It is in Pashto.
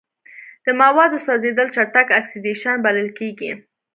د موادو سوځیدل چټک اکسیدیشن بلل کیږي.